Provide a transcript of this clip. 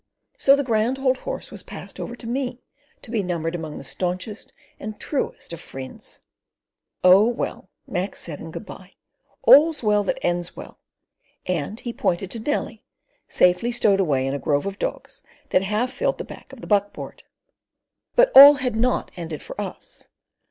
So the grand old horse was passed over to me to be numbered among the staunchest and truest of friends. "Oh, well," Mac said in good bye. "All's well that end's well," and he pointed to Nellie, safely stowed away in a grove of dogs that half filled the back of the buck board. But all had not ended for us.